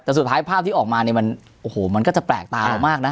แต่สุดท้ายภาพที่ออกมามันก็จะแปลกตามากนะ